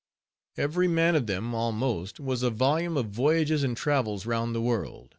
Every man of them almost was a volume of Voyages and Travels round the World.